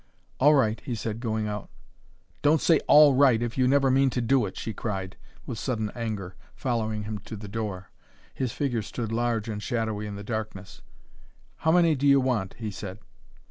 "All right," he said, going out. "Don't say ALL RIGHT if you never mean to do it," she cried, with sudden anger, following him to the door. His figure stood large and shadowy in the darkness. "How many do you want?" he said.